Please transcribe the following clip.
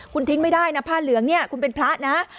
คุณทิ้งไม่ได้นะผ้าเหลืองเนี่ยคุณเป็นพระนะ